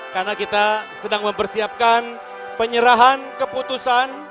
karena kita sedang mempersiapkan penyerahan keputusan